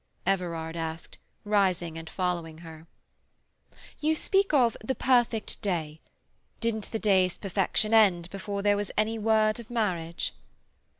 Everard asked, rising and following her. "You speak of the "perfect day." Didn't the day's perfection end before there was any word of marriage?"